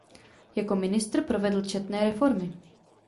Jako ministr provedl četné reformy.